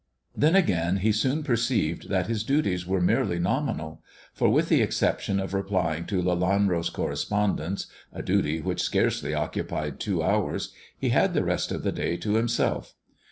Then again, he soon perceived that his duties were merely nominal ; for with the exception of replying to Lelanro's correspondents, a duty which scarcely occupied two hours, he had the rest* of the day to himself.